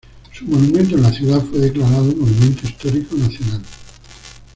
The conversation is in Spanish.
Su monumento en la ciudad fue declarado Monumento Histórico Nacional.